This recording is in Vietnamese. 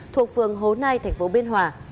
thuộc phường hố nai tp biên hòa